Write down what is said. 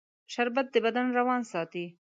شربت د بدن روان ساتي